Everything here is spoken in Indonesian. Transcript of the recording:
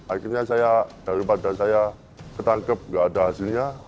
akhirnya saya daripada saya ketangkep nggak ada hasilnya